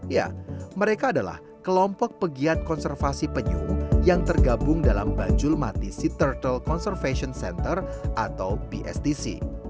ya mereka adalah kelompok pegiat konservasi penyu yang tergabung dalam bajulmati sea turtle conservation center atau bstc